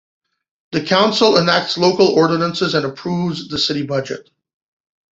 The council enacts local ordinances and approves the city budget.